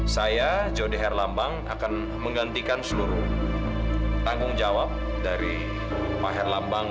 saya jody herlambang akan menggantikan seluruh tanggung jawab dari pak herlambang